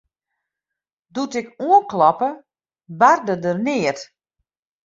Doe't ik oankloppe, barde der neat.